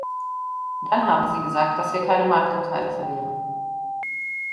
Dann haben Sie gesagt, dass wir keine Marktanteile verlieren.